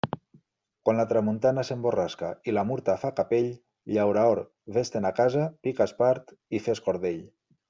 Quan la tramuntana s'emborrasca i la Murta fa capell, llaurador, vés-te'n a casa, pica espart i fes cordell.